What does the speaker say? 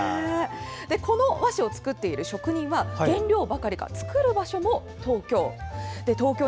この和紙を作っている職人は原料ばかりか、作る場所も東京。